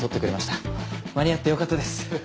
間に合ってよかったです。